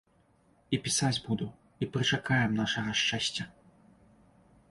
І пісаць буду, і прычакаем нашага шчасця.